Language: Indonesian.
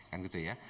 kan gitu ya